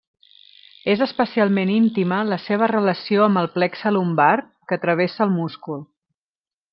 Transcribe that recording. És especialment íntima la seva relació amb el plexe lumbar, que travessa el múscul.